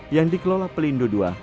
yang dikelola pelindo ii